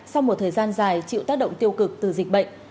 sau một thời gian dài chịu tác động tiêu cực từ dịch bệnh